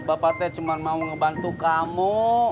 bapaknya cuma mau ngebantu kamu